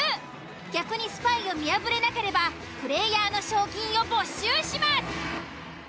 逆にスパイを見破れなければプレイヤーの賞金を没収します。